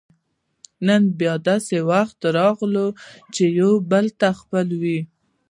نن بیا داسې وخت راغی چې یو بل ته خپه وو